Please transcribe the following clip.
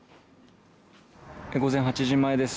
午前８時前です。